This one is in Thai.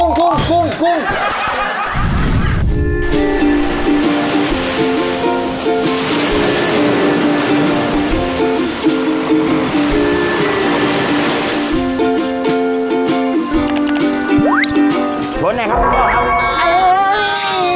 บนไหนครับคุณผู้หญิง